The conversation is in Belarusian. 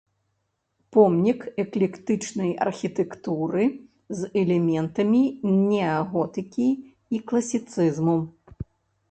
Помнік эклектычнай архітэктуры з элементамі неаготыкі і класіцызму.